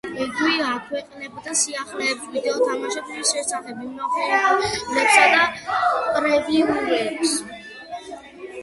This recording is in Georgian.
იგი აქვეყნებდა სიახლეებს ვიდეო თამაშების შესახებ, მიმოხილვებსა და პრევიუებს.